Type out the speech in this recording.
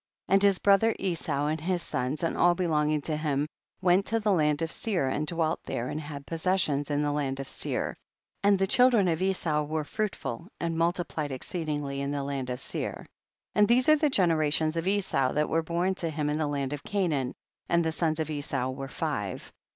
20. And his brother Esau and his sons, and all belonging to him went to the land of Seir and dwelt there, and had possessions in the land of Seir, and the children of Esau were fruitful and multiplied exceedingly in the land of Seir. 21. And these are the generations of Esau that were born to him in the land of Canaan, and the sons of Esau were five.